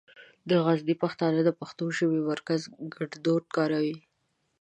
د غزني پښتانه د پښتو ژبې مرکزي ګړدود کاروي.